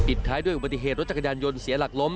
ท้ายด้วยอุบัติเหตุรถจักรยานยนต์เสียหลักล้ม